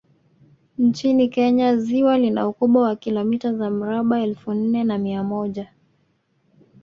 Nchini Kenya ziwa lina ukubwa wa kilomita za mraba elfu nne na mia moja